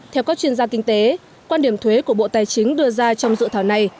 theo các chuyên gia kinh tế quan điểm thuế của bộ tài chính đưa ra trong dự thảo này